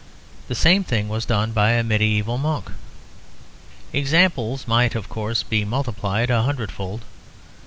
The same thing was done by a mediæval monk. Examples might, of course, be multiplied a hundred fold.